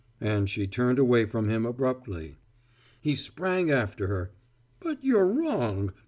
And she turned away from him abruptly. He sprang after her. "But you're wrong.